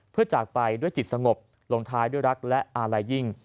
เพื่อจากไปด้วยจิตสงบลงท้ายด้วยรักและอาลัยยิ่ง